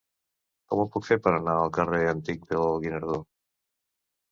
Com ho puc fer per anar al carrer Antic del Guinardó?